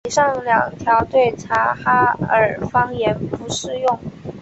以上两条对察哈尔方言不适用。